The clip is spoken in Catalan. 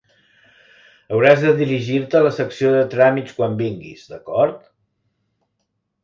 Hauràs de dirigir-te a la secció de tràmits quan vinguis, d'acord?